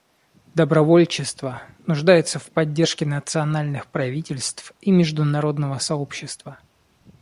Добровольчество нуждается в поддержке национальных правительств и международного сообщества.